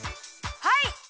はい！